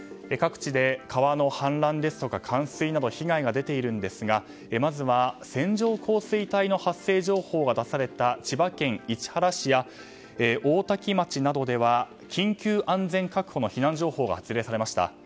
各地で川の氾濫ですとか冠水など被害が出ているんですがまずは線状降水帯の発生情報が出された千葉県の市原市や大多喜町などでは緊急安全確保の避難情報が発令されました。